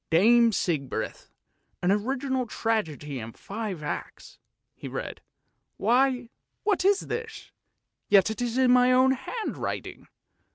"' Dame Sigbrith,' an original tragedy in five acts," he read. " Why, what is this, yet it is in my own handwriting.